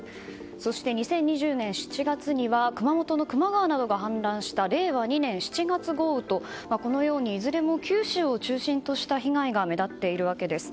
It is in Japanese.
そして２０２０年７月には熊本の球磨川などが氾濫した令和２年７月豪雨とこのようにいずれも九州を中心とした被害が目立っているわけです。